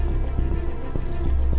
aku mau main ke rumah intan